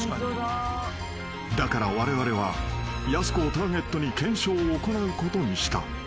［だからわれわれはやす子をターゲットに検証を行うことにした］